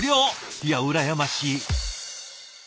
いや羨ましい。